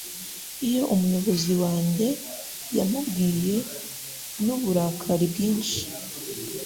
Iyo umuyobozi wanjye yamubwiye n'uburakari bwinshi